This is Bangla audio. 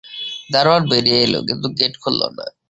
দারোয়ান বেরিয়ে এল, কিন্তু গেট খুলল না!